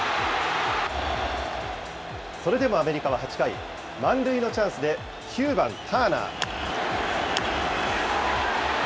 それでもアメリカは８回、満塁のチャンスで９番ターナー。